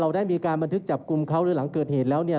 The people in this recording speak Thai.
ได้มีการบันทึกจับกลุ่มเขาหรือหลังเกิดเหตุแล้วเนี่ย